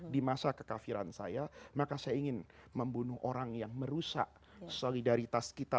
di masa kekafiran saya maka saya ingin membunuh orang yang merusak solidaritas kita